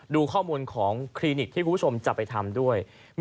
ดูข้อมูลของคลินิกที่คุณผู้ชมจะไปทำด้วย